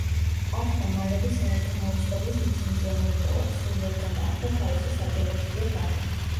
არხმა მალევე საერთო მაუწყებლის ლიცენზია მოიპოვა, სრულიად განაახლა თავისი სატელევიზიო ბადე.